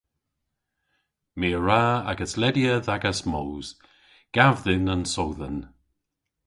My a wra agas ledya dh'agas moos. Gav dhyn an sowdhan.